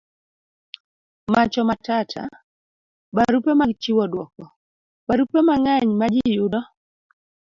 Macho Matata. barupe mag chiwo duoko. barupe mang'eny majiyudo